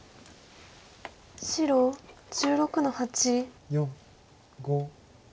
白１６の八。